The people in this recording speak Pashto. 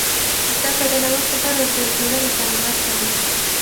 زده کړه د نوښت لپاره د ټولنې سره مرسته ده.